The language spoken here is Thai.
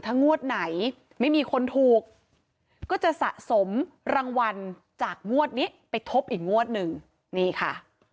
ถ้างวดไหนไม่มีคนถูกก็จะสะสมรางวัลจากงวดนี้ไปทบอีกงวดหนึ่งนี่ค่ะ